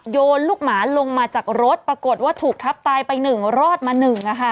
โยนลูกหมาลงมาจากรถปรากฏว่าถูกทับตายไปหนึ่งรอดมาหนึ่งค่ะ